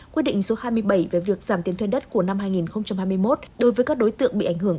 quyết định số hai mươi bảy về việc giảm tiền thuê đất của năm hai nghìn hai mươi một đối với các đối tượng bị ảnh hưởng